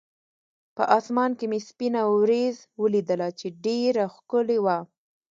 په اسمان کې مې سپینه ورېځ ولیدله، چې ډېره ښکلې وه.